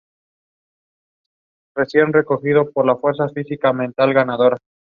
Mientras, Effie atrae la atención de la esposa de Sir Charles, Elizabeth.